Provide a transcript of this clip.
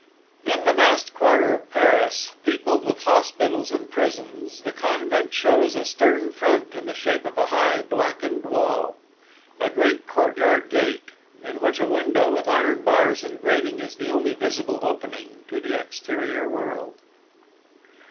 In the vast quarter of Paris, peopled with hospitals and prisons, the convent shows a stern front in the shape of a high, blackened wall. A great courtyard gate, in which a window with iron bars and grating is the only visible opening to the exterior world.